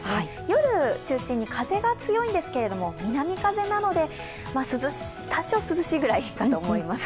夜を中心に風が強いんですが南風なので、多少、涼しいくらいかと思います。